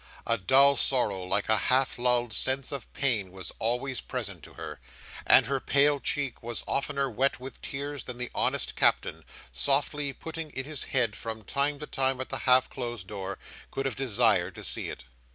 A dull sorrow, like a half lulled sense of pain, was always present to her; and her pale cheek was oftener wet with tears than the honest Captain, softly putting in his head from time to time at the half closed door, could have desired to see it.